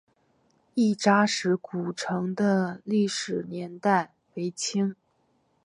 亦扎石古城的历史年代为清。